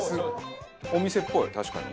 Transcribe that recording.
お店っぽい確かに。